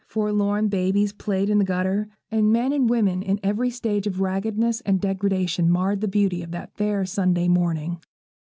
Forlorn babies played in the gutter, and men and women in every stage of raggedness and degradation marred the beauty of that fair Sunday morning.